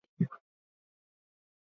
Wanyama hutafuta kivuli